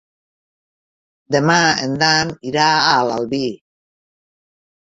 Demà en Dan irà a l'Albi.